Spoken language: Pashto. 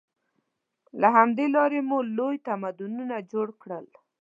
له همدې لارې مو لوی تمدنونه جوړ کړل.